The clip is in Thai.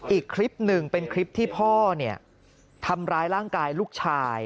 อีกคลิปหนึ่งเป็นคลิปที่พ่อเนี่ยทำร้ายร่างกายลูกชาย